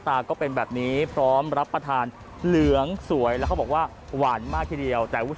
ขายออนไลน์เป็นยังไงอะไรอย่างนี้ค่ะ